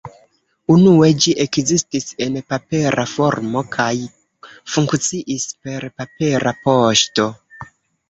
Unue ĝi ekzistis en papera formo kaj funkciis per papera poŝto.